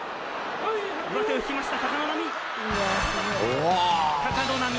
上手を引きました貴ノ浪！